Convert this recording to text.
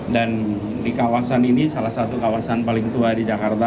dan di kawasan ini salah satu kawasan paling tua di jakarta